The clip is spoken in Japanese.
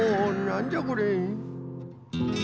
なんじゃこれ？